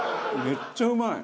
めっちゃうまい！